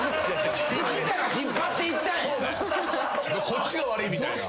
こっちが悪いみたいな。